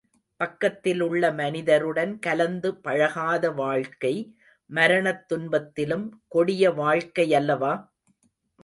பக்கத்தில் உள்ள மனிதருடன் கலந்து பழகாத வாழ்க்கை, மரணத் துன்பத்திலும் கொடிய வாழ்க்கையல்லவா?